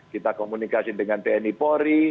kita komunikasi dengan tni polri